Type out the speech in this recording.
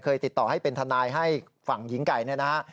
ติดต่อให้เป็นทนายให้ฝั่งหญิงไก่เนี่ยนะฮะ